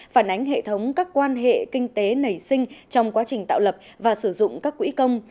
phản ánh hệ thống các quan hệ kinh tế nảy sinh trong quá trình tạo lập và sử dụng các quỹ công